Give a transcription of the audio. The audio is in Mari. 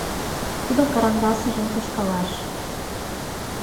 Тудо карандасыжым кычкалаш